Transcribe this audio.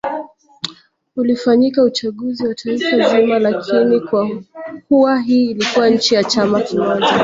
ulifanyika uchaguzi wa taifa zima lakini Kwa kuwa hii ilikuwa nchi ya chama kimoja